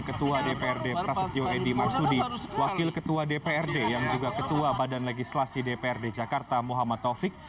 ketua dprd prasetyo edy marsudi wakil ketua dprd yang juga ketua badan legislasi dprd jakarta muhammad taufik